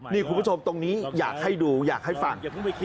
นี่คุณผู้ชมตรงนี้อยากให้ดูอยากให้ฟัง